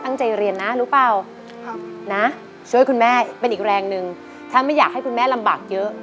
ถ้าไม่อยากให้คุณแม่ลำบากเยอะ